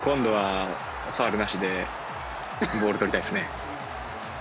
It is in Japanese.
今度はファウルなしでボールを取りたいですね。